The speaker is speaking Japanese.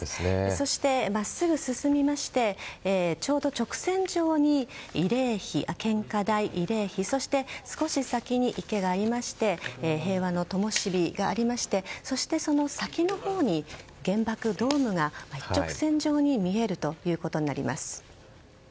そして、真っすぐ進みましてちょうど直線上に献花台、慰霊碑そして少し先に池がありまして平和の灯火がありましてそして、その先のほうに原爆ドームが一直線上に見えるということになります。